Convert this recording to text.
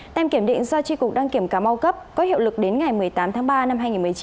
tem kiểm định do tri cục đăng kiểm cà mau cấp có hiệu lực đến ngày một mươi tám tháng ba năm hai nghìn một mươi chín